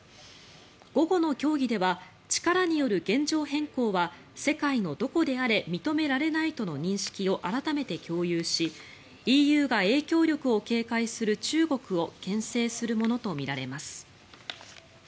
午後の協議では力による現状変更は世界のどこであれ認められないとの認識を改めて共有しＥＵが影響力を警戒する中国をけん制するものとみられます。